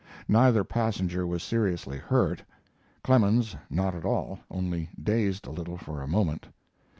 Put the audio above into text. Neither passenger was seriously hurt; Clemens not at all only dazed a little for a moment.